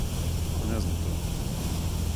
Не зна то.